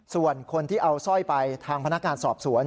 ส่วนคนที่เอาสร้อยไปทางพนักงานสอบสวน